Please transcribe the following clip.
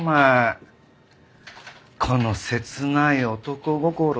この切ない男心。